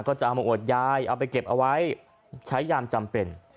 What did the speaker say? ก็จะเอามาอวดยายเอาไปเก็บเอาไว้ใช้ยามจำเป็น